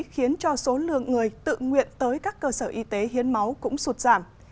khiến cho số lượng người tự nguyện tới các cơ sở y tế hiến máu cũng sụt giảm